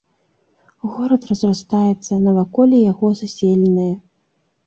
Горад разрастаецца, наваколле яго заселенае.